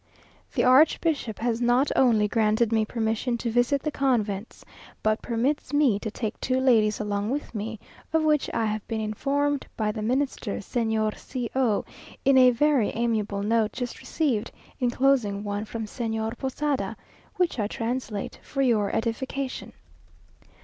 The Archbishop has not only granted me permission to visit the convents, but permits me to take two ladies along with me, of which I have been informed by the Minister, Señor C o, in a very amiable note just received, enclosing one from Señor Posada, which I translate for your edification.